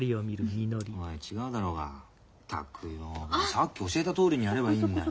さっき教えたとおりにやればいいんだよ。